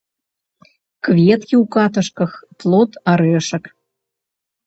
Кветкі ў каташках, плод арэшак.